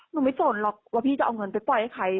ไม่สนหรอกว่าพี่จะเอาเงินไปปล่อยให้ใคร